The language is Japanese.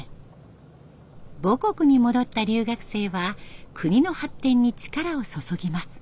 母国に戻った留学生は国の発展に力を注ぎます。